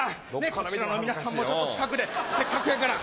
こちらの皆さんもちょっと近くでせっかくやから。